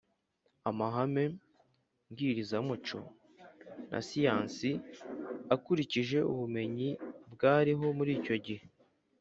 amahame mbwirizamuco na siyansi, akurikije ubumenyi bwariho muri icyo gihe.